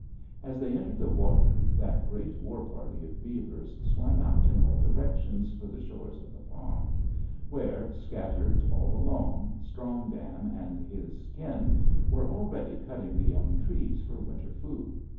"As they entered the water that great war party of beavers swam out in all directions for the shores of the pond, where, scattered all along, Strong Dam and his kin were already cutting the young trees for winter food.